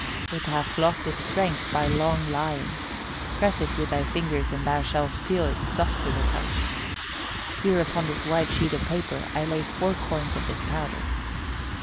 It hath lost its strength by long lying. Press it with thy fingers and thou shalt feel it soft to the touch. Here upon this white sheet of paper I lay four corns of this powder.